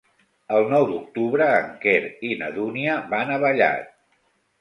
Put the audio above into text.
El nou d'octubre en Quer i na Dúnia van a Vallat.